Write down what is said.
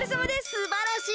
すばらしい！